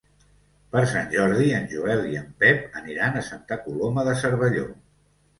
Per Sant Jordi en Joel i en Pep aniran a Santa Coloma de Cervelló.